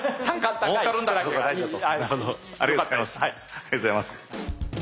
ありがとうございます。